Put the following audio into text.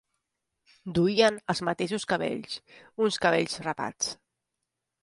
Duien els mateixos cabells: uns cabells rapats